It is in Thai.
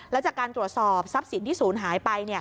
แล้วจากการตรวจสอบทรัพย์สินที่ศูนย์หายไป